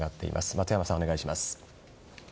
松山さん、お願いします。